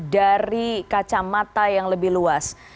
dari kacamata yang lebih luas